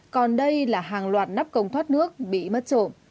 còn đây là hàng loạt nắp công thoát nước bị mất trộm